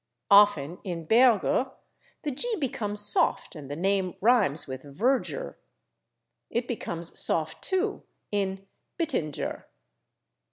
Often, in /Berger/, the /g/ becomes soft, and the name rhymes with /verger/. It becomes soft, too, in /Bittinger